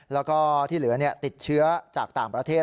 แล้วก็ที่เหลือติดเชื้อจากต่างประเทศ